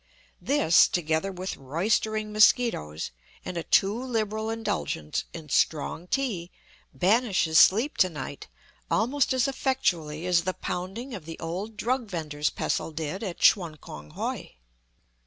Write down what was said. This, together with roystering mosquitoes, and a too liberal indulgence in strong tea, banishes sleep to night almost as effectually as the pounding of the old drug vender's pestle did at Chun Kong hoi.